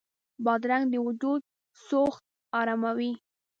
بادرنګ د وجود سوخت اراموي.